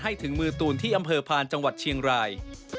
ถึงมือตูนที่อำเภอพานจังหวัดเชียงราย